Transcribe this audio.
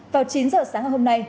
vào chín h sáng hôm nay